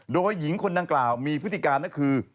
โดยหญิงคนดังกล่าวมีพฤติการก็คือ